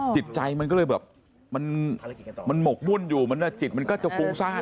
จิตใจมันก็เลยแบบมันหมกมุ่นอยู่จิตมันก็จะฟุ้งซ่าน